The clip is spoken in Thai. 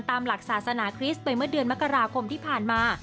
ตามหลักศาสนาคริสต์ไปเมื่อเดือนมกราคมที่ผ่านมา